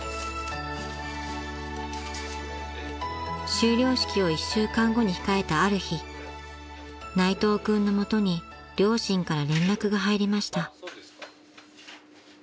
［修了式を１週間後に控えたある日内藤君の元に両親から連絡が入りました］